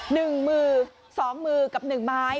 หนึ่งมือสองมือกับหนึ่งไม้